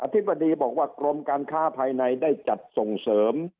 ธิบดีบอกว่ากรมการค้าภายในได้จัดส่งเสริม